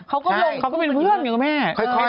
เขาก็เป็นเพื่อนกันอะแม่